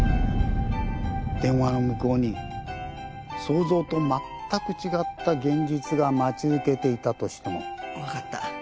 電話の向こうに想像とまったく違った現実が待ち受けていたとしても。分かった。